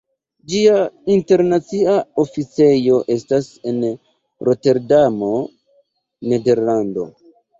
Ĝia internacia oficejo estas en Roterdamo, Nederlando.